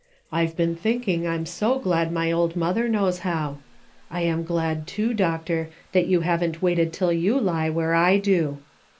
I've been thinking I'm so glad my old mother knows how. I am glad, too, Doctor, that you haven't waited till you lie where I do.